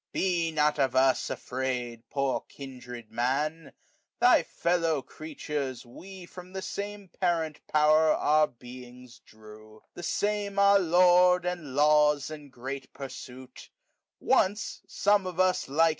^^ Be not of us afraid, ^^ Poor kindred Man I thy feUov creatures, we 545 ^^ From the same Parjekt Poweil our beings drew, ^^ The same our Lord, and laws, and great pursuit*^ ^< Once some of us, like.